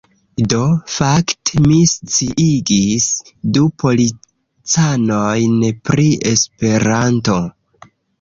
Do, fakte, mi sciigis du policanojn pri Esperanto